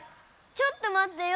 ちょっとまってよ。